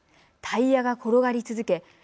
タイヤが転がり続け